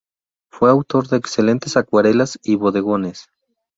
Fue autor de excelentes acuarelas y bodegones.